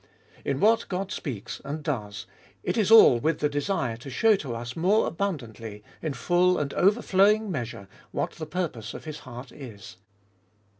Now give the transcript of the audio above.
In what God speaks and does, it is all with the desire to show to us more abundantly, in full and overflowing measure, what the purpose of His heart is.